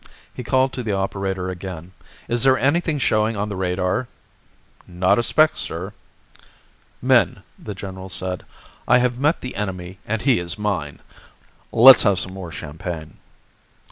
He called to the operator again. "Is there anything showing on the radar?" "Not a speck, sir." "Men," the general said, "I have met the enemy and he is mine. Let's have some more champagne."